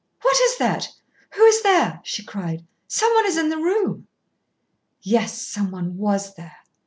"What is that? Who is there?" she cried. "Someone is in the room!" Yes, someone was there.